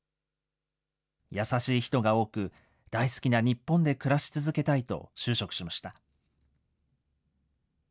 優しい人が多く、大好きな日本で暮らし続けたいと就職しました。